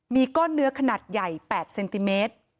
มีก้อนเนื้อขนาดใหญ่๘เซนติเมตร